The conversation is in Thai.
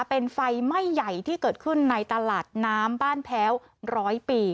เป็นไฟไหม้ใหญ่ที่เกิดขึ้นในตลาดน้ำบ้านแพ้วร้อยปี